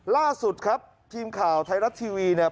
ล่าสุดครับทีมข่าวไทยรัฐทีวีเนี่ย